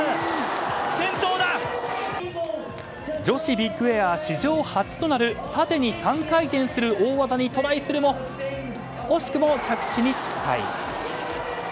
女子ビッグエア史上初となる縦に３回転する大技にトライするも惜しくも着地に失敗。